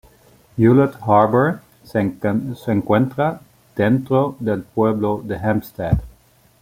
Hewlett Harbor se encuentra dentro del pueblo de Hempstead.